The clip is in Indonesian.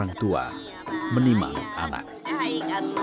untuk mendisikkan pertimbangan pembangunan terhadap wilayah al tadan